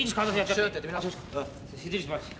失礼します。